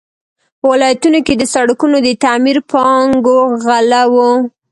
په ولایتونو کې د سړکونو د تعمیر پانګو غله وو.